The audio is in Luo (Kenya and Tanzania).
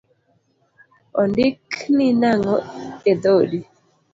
Ondikni nang’o edhodi?